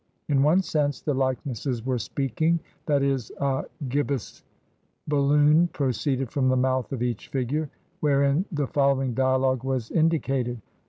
In one sense the likenesses were speaking that is, a gibbous balloon proceeded from the mouth of each figure, wherein the following dialogue was indicated.